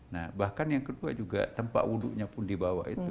nah bahkan yang kedua juga tempat wudhunya pun dibawa itu